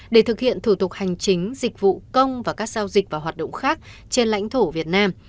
để thực hiện thủ tục hành chính dịch vụ công và các giao dịch và hoạt động khác trên lãnh thổ việt nam